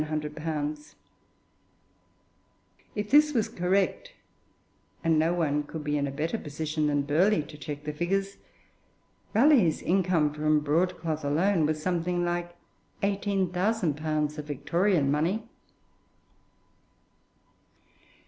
_ If this was correct, and no one could be in a better position than Burghley to check the figures, Raleigh's income from broad cloth alone was something like 18,000_l._ of Victorian money.